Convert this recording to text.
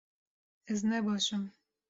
Ez ne baş im